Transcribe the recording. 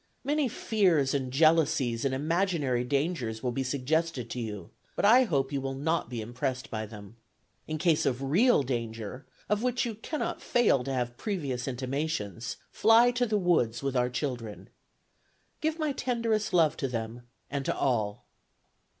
Many fears and jealousies and imaginary dangers will be suggested to you, but I hope you will not be impressed by them. In case of real danger, of which you cannot fail to have previous intimations, fly to the woods with our children. Give my tenderest love to them, and to all."